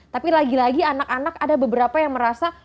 tapi lagi lagi anak anak ada beberapa yang merasa